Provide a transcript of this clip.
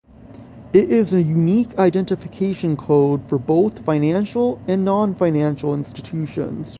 It is a unique identification code for both financial and non-financial institutions.